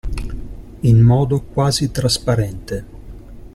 In modo quasi trasparente.